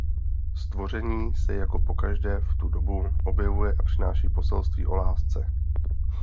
Stvoření se jako pokaždé v tu dobu objevuje a přináší poselství o lásce.